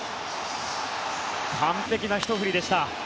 完璧なひと振りでした。